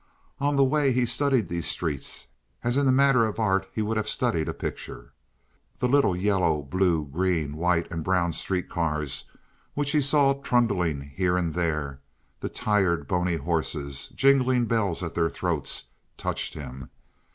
On the way he studied these streets as in the matter of art he would have studied a picture. The little yellow, blue, green, white, and brown street cars which he saw trundling here and there, the tired, bony horses, jingling bells at their throats, touched him.